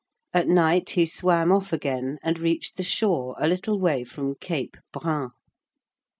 At night he swam off again, and reached the shore a little way from Cape Brun.